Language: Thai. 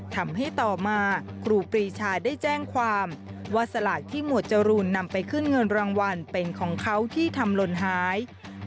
ทำให้ต่อมาครูปรีชาได้แจ้งความว่าสลากที่หมวดจรูนนำไปขึ้นเงินรางวัลเป็นของเขาที่ทำหล่นหาย